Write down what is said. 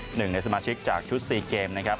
หนึ่งในสมาชิกจากชุด๔เกมนะครับ